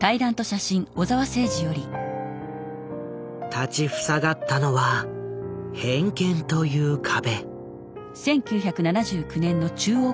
立ち塞がったのは偏見という壁。